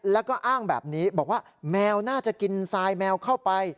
แล้วก็อ้างแบบนี้บอกว่าแมวน่าจะกินทรายแมวเข้าไป